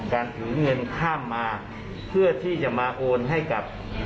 การถือเงินข้ามมาเพื่อที่จะมาโอนให้กับ